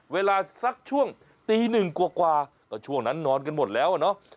เวลาสักช่วงตีหนึ่งกว่าก็ช่วงนั้นนอนกันหมดแล้วอะเนาะ